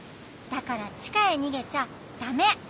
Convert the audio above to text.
だからちかへにげちゃダメ！